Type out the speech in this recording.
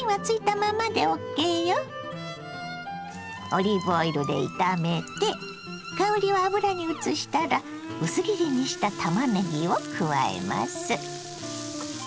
オリーブオイルで炒めて香りを油にうつしたら薄切りにしたたまねぎを加えます。